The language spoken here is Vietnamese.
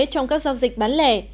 trong các giao dịch bán lẻ